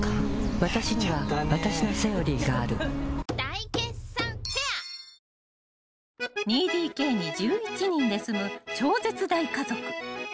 わたしにはわたしの「セオリー」がある大決算フェア［２ＤＫに１１人で住む超絶大家族］